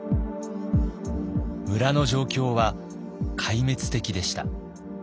村の状況は壊滅的でした。